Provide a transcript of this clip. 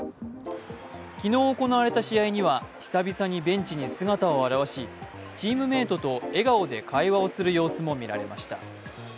昨日行われた試合には久々にベンチに姿を現しチームメートと笑顔で会話をする様子も見られました。